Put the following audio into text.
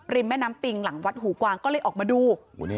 แม่น้ำปิงหลังวัดหูกวางก็เลยออกมาดู